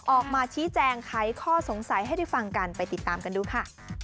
ออกมาชี้แจงไขข้อสงสัยให้ได้ฟังกันไปติดตามกันดูค่ะ